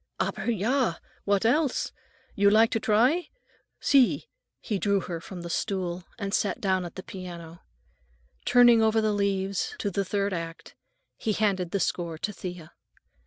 "Aber ja! What else? You like to try? See." He drew her from the stool and sat down at the piano. Turning over the leaves to the third act, he handed the score to Thea.